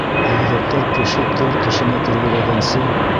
Игеҙәктәр кеше тел-тешенә кергеләгәнсе